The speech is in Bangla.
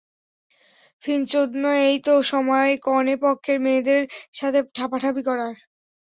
ফিঞ্চ চোদনা, এই তো সময় কনে পক্ষের মেয়েদের সাথে ঠাপাঠাপি করার।